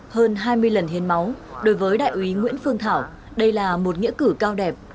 hơn hai mươi lần hiến máu đối với đại úy nguyễn phương thảo đây là một nghĩa cử cao đẹp